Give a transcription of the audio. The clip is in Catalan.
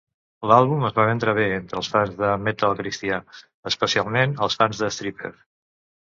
L'àlbum es va vendre bé entre els fans de metal cristià, especialment els fans de Stryper.